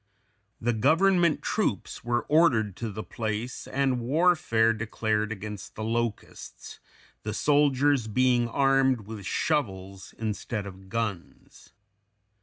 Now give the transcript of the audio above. The government troops were ordered to the place and warfare declared against the locusts, the soldiers being armed with shovels instead of guns.